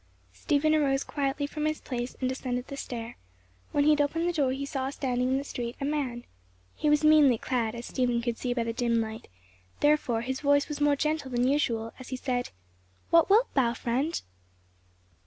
Stephen arose quietly from his place and descended the stair. When he had opened the door, he saw standing in the street a man. He was meanly clad, as Stephen could see by the dim light; therefore his voice was more gentle than usual as he said: "What wilt thou, friend?"